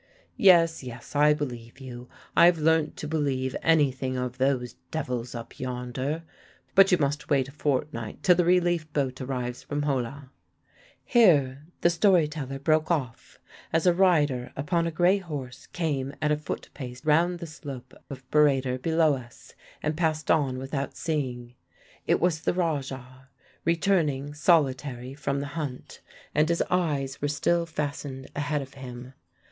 'Yes, yes, I believe you; I've learnt to believe anything of those devils up yonder. But you must wait a fortnight, till the relief boat arrives from Jola' " Here the story teller broke off as a rider upon a grey horse came at a foot pace round the slope of Burrator below us and passed on without seeing. It was the Rajah, returning solitary from the hunt, and his eyes were still fastened ahead of him.